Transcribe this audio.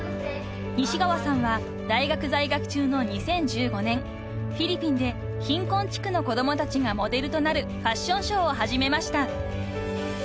［西側さんは大学在学中の２０１５年フィリピンで貧困地区の子供たちがモデルとなるファッションショーを始めました］